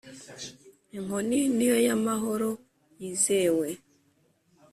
inkoni niyo yamahoro yizewe